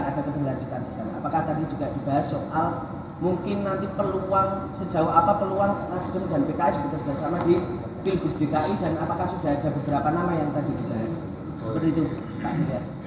seperti itu pak sekjen